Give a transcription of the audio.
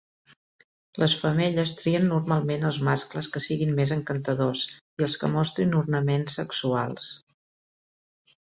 Les femelles trien normalment els mascles que siguin més 'encantadors' i els que mostrin ornaments sexuals.